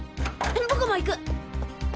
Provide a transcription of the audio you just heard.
僕も行く！